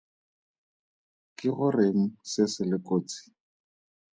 Ke goreng se se le kotsi?